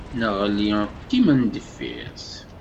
Neɣli d timendeffirt.